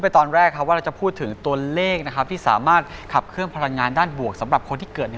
ตอนแรกครับว่าเราจะพูดถึงตัวเลขนะครับที่สามารถขับเครื่องพลังงานด้านบวกสำหรับคนที่เกิด